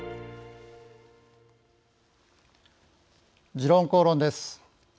「時論公論」です。